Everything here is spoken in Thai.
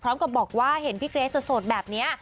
พร้อมกับบอกว่าเห็นพี่เกรทสดแบบนี้